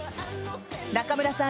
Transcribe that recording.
中村さん